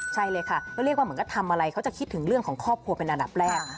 ใช่เลยค่ะก็เรียกว่าเหมือนก็ทำอะไรเขาจะคิดถึงเรื่องของครอบครัวเป็นอันดับแรก